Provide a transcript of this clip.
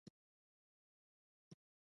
آیا کریډیټ کارتونه کارول کیږي؟